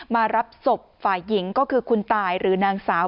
มารับศพฝ่ายหญิงก็คือคุณตายหรือนางสาว